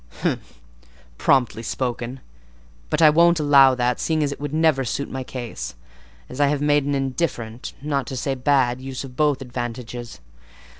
"Humph! Promptly spoken. But I won't allow that, seeing that it would never suit my case, as I have made an indifferent, not to say a bad, use of both advantages.